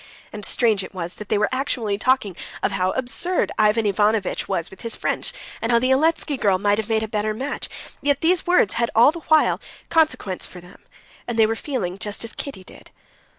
And strange it was that they were actually talking of how absurd Ivan Ivanovitch was with his French, and how the Eletsky girl might have made a better match, yet these words had all the while consequence for them, and they were feeling just as Kitty did.